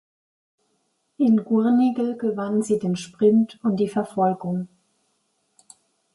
In Gurnigel gewann sie den Sprint und die Verfolgung.